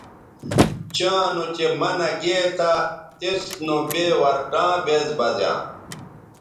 چاں نوچہء منع گے تھا تس نوبے ورٹاں بیز بزیاں